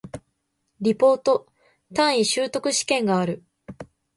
リポート、単位習得試験がある